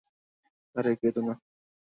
আরে, কেদোঁ না।